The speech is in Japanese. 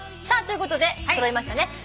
さあということで揃いましたね。